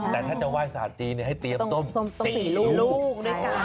แต่ถ้าจะไหว้สาธินิย์ให้เตรียมส้มสี่ลูก